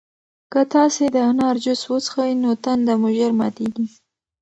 که تاسي د انار جوس وڅښئ نو تنده مو ژر ماتیږي.